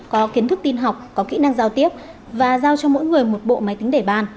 có kiến thức tin học có kỹ năng giao tiếp và giao cho mỗi người một bộ máy tính để bàn